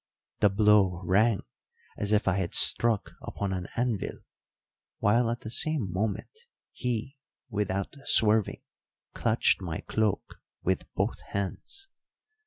The blow rang as if I had struck upon an anvil, while at the same moment he, without swerving, clutched my cloak with both hands.